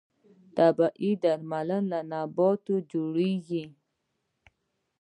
طبیعي درمل له نباتاتو جوړیږي